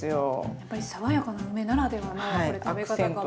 やっぱり爽やかな梅ならではの食べ方かも。